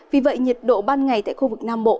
vì vậy nhiệt độ ban ngày tại khu vực nam bộ